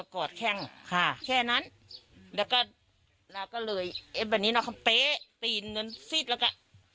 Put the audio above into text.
ก็ลอยลงเลยโอ้โหไอ้ว่ะ